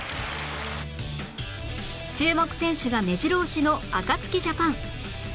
注目選手が目白押しのアカツキジャパン